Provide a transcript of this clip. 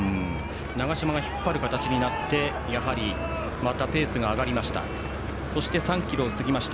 長嶋が引っ張る形になってやはりまたペースが上がりました。